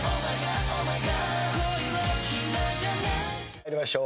参りましょう。